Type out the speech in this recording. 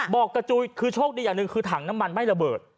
บอกกระจุยคือโชคดีอย่างหนึ่งคือถังน้ำมันไม่ระเบิด